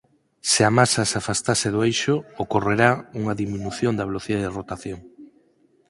Se a masa se afastase do eixo ocorrerá unha diminución da velocidade de rotación.